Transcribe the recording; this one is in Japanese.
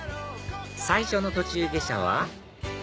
最初の途中下車は？